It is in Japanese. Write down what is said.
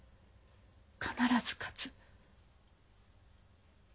必ず勝つ。